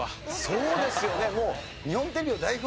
そうですよね。